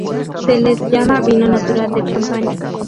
Se les llama vino natural de Champaña.